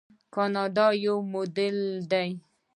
کاناډا یو موډل دی.